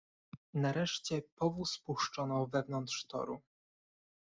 "Nareszcie powóz puszczono wewnątrz toru."